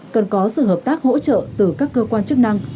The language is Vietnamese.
cần có sự hợp tác hỗ trợ từ các cơ quan chức năng